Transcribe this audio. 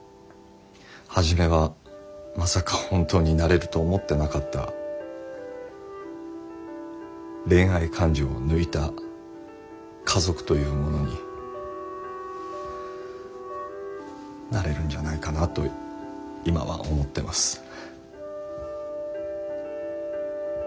初めはまさか本当になれると思ってなかった恋愛感情を抜いた家族というものになれるんじゃないかなと今は思ってます。